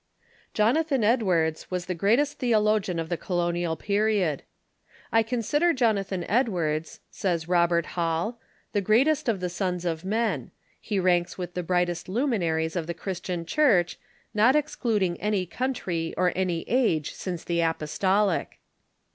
t Jonathan Edwards was the greatest theologian of the Colo nial Period. "I consider Jonathan Edwards," says Robert Hall, "the greatest of the sons of men. He ranks with the brightest luminaries of the Christian Church, not excluding any country or any age since the apostolic."